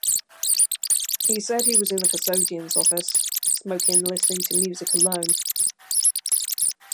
He said he was in the custodian's office smoking and listening to music alone.